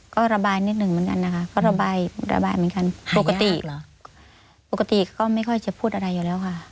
ก็ระบายนิดนึงเหมือนกันนะคะก็ระบายเหมือนกันปกติก็ไม่ค่อยจะพูดอะไรอยู่แล้วค่ะ